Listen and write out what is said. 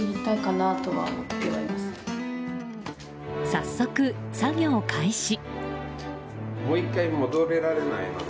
早速、作業開始。